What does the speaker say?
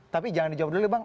tapi jangan dijawab dulu bang